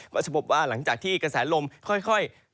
ก็จะพบว่าหลังจากที่กระแสลมค่อย